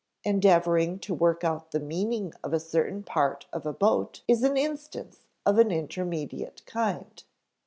Endeavoring to work out the meaning of a certain part of a boat is an instance of an intermediate kind.